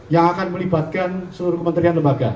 yang akan melibatkan seluruh kementerian lembaga